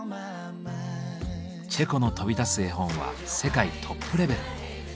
チェコの飛び出す絵本は世界トップレベル。